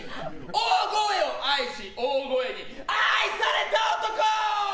大声を愛し大声に愛された男！